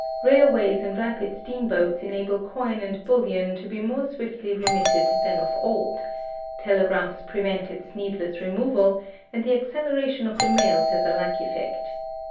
Railways and rapid steamboats enable coin and bullion to be more swiftly remitted than of old; telegraphs prevent its needless removal, and the acceleration of the mails has a like effect."